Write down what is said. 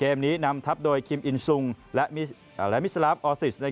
นี้นำทับโดยคิมอินซุงและมิสลาฟออซิส